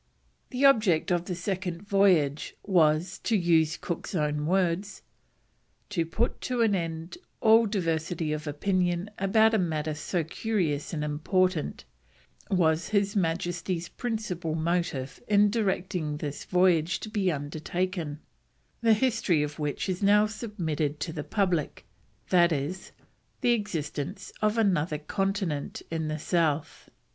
The object of the Second Voyage was, to use Cook's own words: "To put an end to all diversity of opinion about a matter so curious and important, was His Majesty's principal motive in directing this voyage to be undertaken, the history of which is now submitted to the public, i.e., the existence of another continent in the South."